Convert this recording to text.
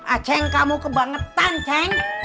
aceh kamu kebangetan ceng